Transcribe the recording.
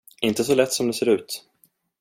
Inte så lätt som det ser ut.